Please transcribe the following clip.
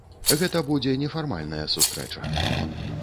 Гэта будзе нефармальная сустрэча.